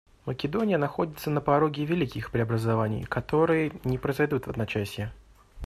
Македония находится на пороге великих преобразований, которые не произойдут в одночасье.